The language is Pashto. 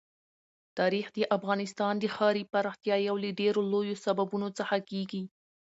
تاریخ د افغانستان د ښاري پراختیا یو له ډېرو لویو سببونو څخه کېږي.